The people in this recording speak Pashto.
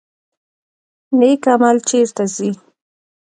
نیک عمل چیرته ځي؟